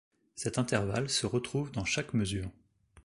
Cet intervalle se retrouve dans chaque mesure.